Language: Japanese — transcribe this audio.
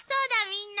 みんな。